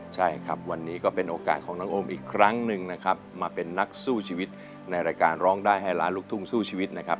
ใช่ครับวันนี้ก็เป็นโอกาสของน้องโอมอีกครั้งหนึ่งนะครับมาเป็นนักสู้ชีวิตในรายการร้องได้ให้ล้านลูกทุ่งสู้ชีวิตนะครับ